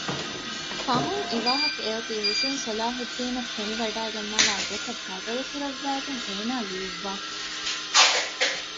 ފަހުން އެވާހަކަ އެއޮތީ ޙުސައިން ޞަލާޙުއްދީނަށް ފެނިވަޑައިގަންނަވާ ގޮތަށް ބަދަލުކުރައްވައިގެން އޭނާ ލިޔުއްވާފަ